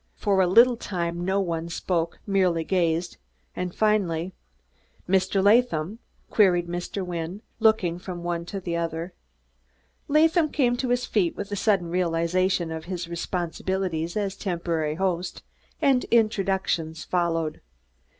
For a little time no one spoke merely gazed and finally: "Mr. Latham?" queried Mr. Wynne, looking from one to the other. Mr. Latham came to his feet with a sudden realization of his responsibilities as a temporary host, and introductions followed. Mr.